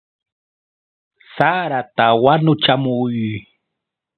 ¡Sarata wanuchamuy!